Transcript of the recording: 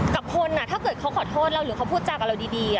กับคนถ้าเกิดเขาขอโทษเราหรือเขาพูดจากับเราดี